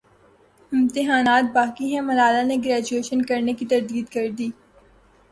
امتحانات باقی ہیں ملالہ نے گریجویشن کرنے کی تردید کردی